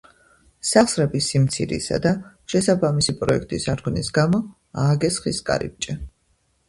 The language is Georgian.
სახსრების სიმცირისა და შესაბამისი პროექტის არქონის გამო ააგეს ხის კარიბჭე.